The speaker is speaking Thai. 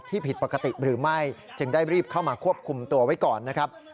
ผิดปกติหรือไม่จึงได้รีบเข้ามาควบคุมตัวไว้ก่อนนะครับ